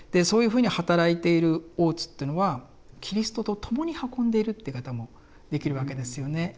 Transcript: そういうふうに働いている大津というのはキリストと共に運んでいるって言い方もできるわけですよね。